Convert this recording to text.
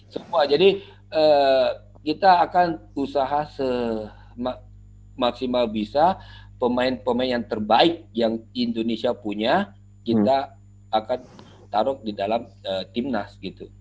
semua jadi kita akan usaha semaksimal bisa pemain pemain yang terbaik yang indonesia punya kita akan taruh di dalam timnas gitu